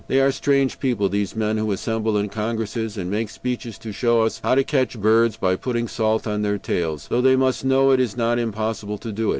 They are strange people, these men who assemble in Congresses, and make speeches to show us how to catch birds by putting salt on their tails, though they must know it is impossible to do it.